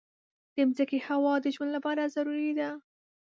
د مځکې هوا د ژوند لپاره ضروري ده.